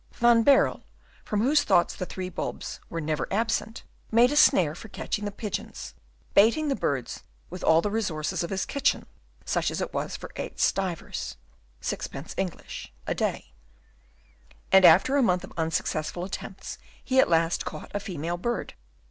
Van Baerle, from whose thoughts the three bulbs were never absent, made a snare for catching the pigeons, baiting the birds with all the resources of his kitchen, such as it was for eight slivers (sixpence English) a day; and, after a month of unsuccessful attempts, he at last caught a female bird.